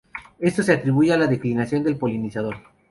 Esto se atribuye a la declinación del polinizador.